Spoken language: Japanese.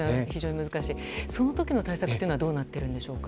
その時の対策はどうなっているんでしょうか。